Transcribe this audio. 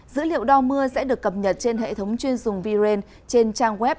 dữ liệu đo mưa sẽ được cập nhật trên hệ thống chuyên dùng v rain trên trang web